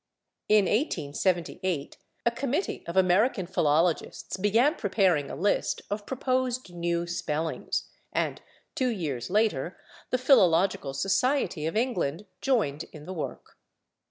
In 1878 a committee of American philologists began preparing a list of proposed new spellings, and two years later the Philological Society of England joined in the work.